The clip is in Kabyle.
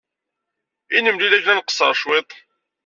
I nemlil akken ad nqeṣṣer cwiṭ.